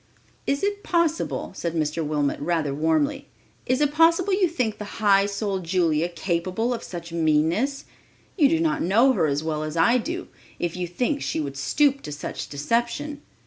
"Is it possible," said Mr. Wilmot, rather warmly, "is it possible you think the high souled Julia capable of such meanness? You do not know her as well as I do, if you think she would stoop to such deception.